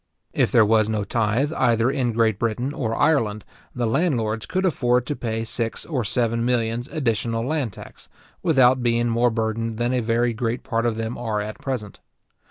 If there was no tythe either in Great Britain or Ireland, the landlords could afford to pay six or seven millions additional land tax, without being more burdened than a very great part of them are at present.